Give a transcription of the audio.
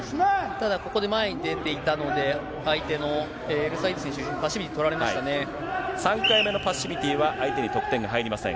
ただ、ここで前に出ていたので、相手のエルサイード選手、３回目のパッシビティは、相手に得点が入りません。